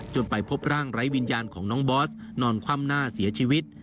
ไปพบร่างไร้วิญญาณของน้องบอสนอนคว่ำหน้าเสียชีวิต